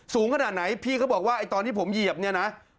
สูงขนาดไหนพี่เขาบอกว่าไอ้ตอนที่ผมเหยียบเนี่ยนะ